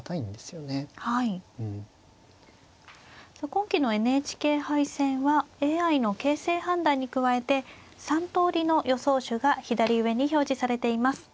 今期のＮＨＫ杯戦はＡＩの形勢判断に加えて３通りの予想手が左上に表示されています。